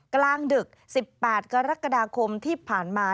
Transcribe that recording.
กลางดึก๑๘กรกฎาคมที่ผ่านมา